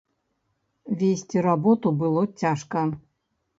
Весці работу было цяжка.